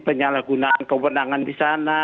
penyalahgunaan kebenangan di sana